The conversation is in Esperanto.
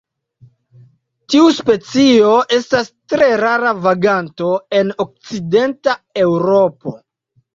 Tiu specio estas tre rara vaganto en Okcidenta Eŭropo.